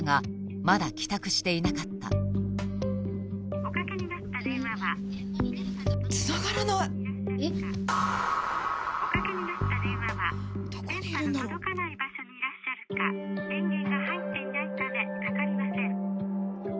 おかけになった電話はおかけになった電話は電波の届かない場所にいらっしゃるか電源が入っていないためかかりません